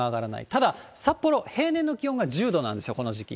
ただ札幌、平年の気温が１０度なんですよ、この時期。